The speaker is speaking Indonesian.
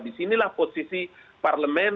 disinilah posisi parlemen